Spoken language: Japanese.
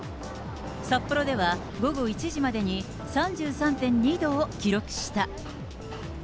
札幌では午後１時までに３３．２度を記録した。